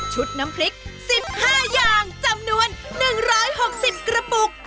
น้ำพริก๑๕อย่างจำนวน๑๖๐กระปุก